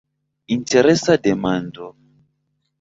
Interesa demando!